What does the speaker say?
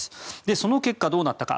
その結果どうなったか。